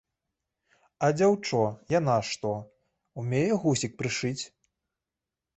А дзяўчо, яна што, умее гузік прышыць?